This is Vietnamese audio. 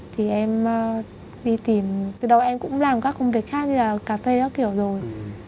thì em đi tìm từ đầu em cũng làm các công việc khác như là cà phê các kiểu rồi